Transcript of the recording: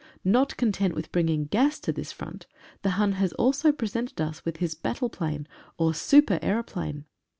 Not content with bringing gas to this front, the Hun has also presented us with his battleplane or super aeroplane.